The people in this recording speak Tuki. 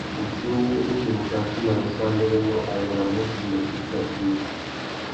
Wuchiuwú, indi mutu a timba ayássámbérénô, a yānamú timba itifiya puï.